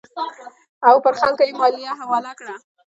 او پر خلکو یې مالیه حواله کړه.